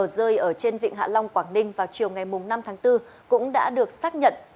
rơi ở trên vịnh hạ long quảng ninh vào chiều ngày năm tháng bốn cũng đã được xác nhận